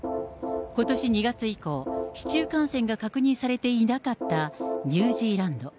ことし２月以降、市中感染が確認されていなかったニュージーランド。